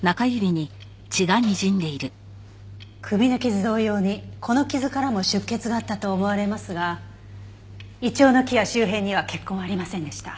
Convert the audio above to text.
首の傷同様にこの傷からも出血があったと思われますがイチョウの木や周辺には血痕はありませんでした。